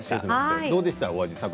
どうでしたか？